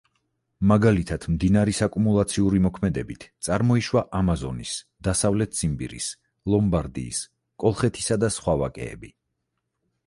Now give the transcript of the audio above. მაგალითად, მდინარის აკუმულაციური მოქმედებით წარმოიშვა ამაზონის, დასავლეთ ციმბირის, ლომბარდიის, კოლხეთისა და სხვა ვაკეები.